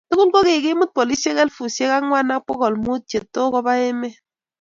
tugul ko kikimut polisiek elfusiek ang'wan ak pokol mut che too koba emet.